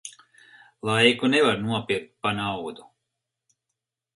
Laiku nevar nopirkt pa naudu.